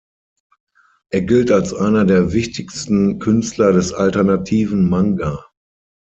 Er gilt als einer der wichtigsten Künstler des alternativen Manga.